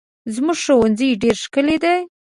زموږ ښوونځی ډېر ښکلی دی.